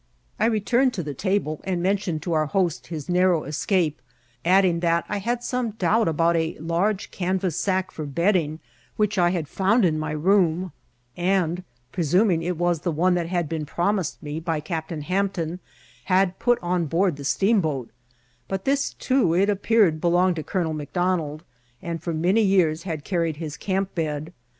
I returned to the table and mentioned to our host his narrow escape, adding that I had some doubt about a large canvass sack for bed ding which I had found in my room, and, presuming it was one that had been promised me by Captain Hampton, had put on board the steamboat ; but this too, it appeared, belonged to Colonel McDonald, and for many years had carried his camp bed.